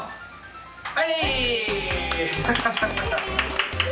はい！